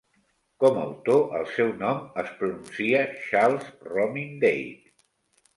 Com autor, el seu nom es pronuncia Charles Romyn Dake.